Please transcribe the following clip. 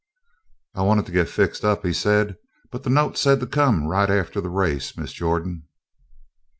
"I wanted to get fixed up," he said, "but the note said to come right after the race Miss Jordan."